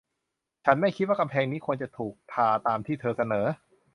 ฉันไม่คิดว่ากำแพงนี้ควรจะถูกทาตามที่เธอเสนอ